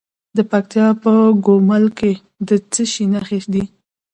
د پکتیکا په ګومل کې د څه شي نښې دي؟